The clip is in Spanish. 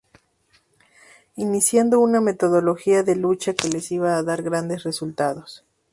Iniciando una metodología de lucha que les iba a dar grandes resultados.